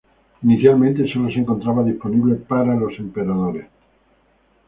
Inicialmente sólo se encontraba disponible para los Emperadores.